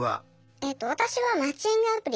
えと私はマッチングアプリ